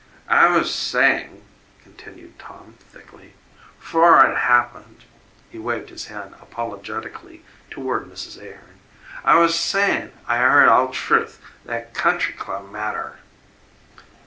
"I was sayin'," continued Tom thickly, "'fore 'at happened," he waved his hand apologetically toward Mrs. Ahearn "I was sayin' I heard all truth that Country Club matter."